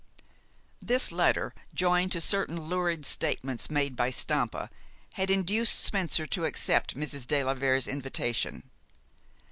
This letter, joined to certain lurid statements made by Stampa, had induced Spencer to accept Mrs. de la Vere's invitation.